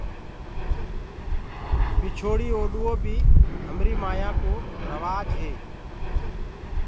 پِڇوڙي پيروو بي همري مايانٚ ڪو روآج هي۔